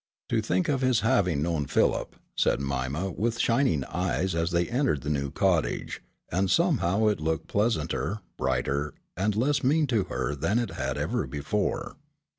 "To think of his having known Philip," said Mima with shining eyes as they entered the new cottage, and somehow it looked pleasanter, brighter and less mean to her than it had ever before.